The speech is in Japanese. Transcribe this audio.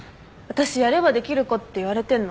私やればできる子って言われてんの。